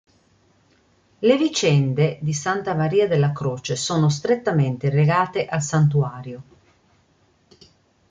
Le vicende di Santa Maria della Croce sono strettamente legate al santuario.